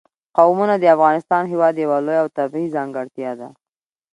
قومونه د افغانستان هېواد یوه لویه او طبیعي ځانګړتیا ده.